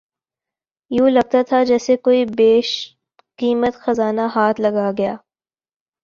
یوں لگتا تھا کہ جیسے کوئی بیش قیمت خزانہ ہاتھ لگا گیا